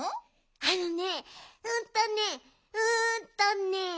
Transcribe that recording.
あのねうんとねうんとね。